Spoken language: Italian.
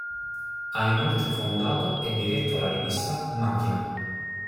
Ha inoltre fondato e diretto la rivista "Machina".